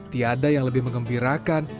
tiada yang lebih mengembirakan